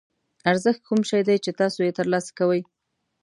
ارزښت کوم شی دی چې تاسو یې ترلاسه کوئ.